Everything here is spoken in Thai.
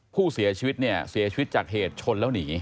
ผู้เสียชีวิตเนี่ยเสียชีวิตจากเหตุชนแล้วหนี